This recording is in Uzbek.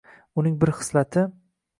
Uning bir xislati